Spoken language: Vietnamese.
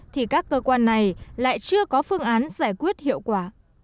thì các cơ quan này lại chưa có phương án giải quyết hiệu quả